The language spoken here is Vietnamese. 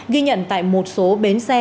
ghi nhận tại một số bến xe